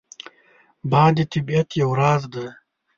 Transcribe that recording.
باد د طبیعت یو راز دی